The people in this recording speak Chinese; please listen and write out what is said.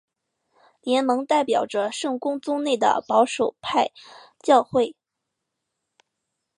联盟代表着圣公宗内的保守派教会。